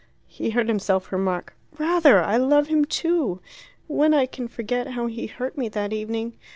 He heard himself remark "Rather! I love him too! When I can forget how he hurt me that evening.